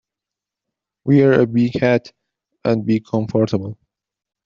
Wear a big hat, and be comfortable!